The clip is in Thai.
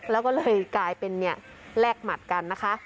แล้วก็เลยกลายเป็นแลกหมัดกันนะคะ